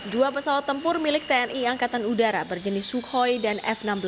dua pesawat tempur milik tni angkatan udara berjenis sukhoi dan f enam belas